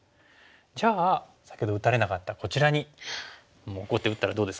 じゃあ先ほど打たれなかったこちらにもうこうやって打ったらどうですか？